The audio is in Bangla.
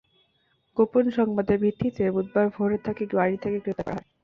গোপন সংবাদের ভিত্তিতে বুধবার ভোরে তাঁকে বাড়ি থেকে গ্রেপ্তার করা হয়।